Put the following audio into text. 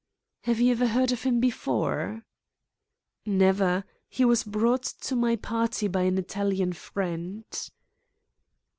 "Had you ever heard of him before?" "Never. He was brought to my party by an Italian friend."